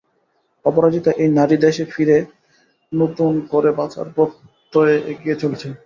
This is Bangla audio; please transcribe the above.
অপরাজিতা এই নারী দেশে ফিরে নতুন করে বাঁচার প্রত্যয়ে এগিয়ে চলেছেন।